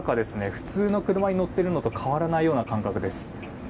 普通の車に乗っているのと変わらないような感覚です。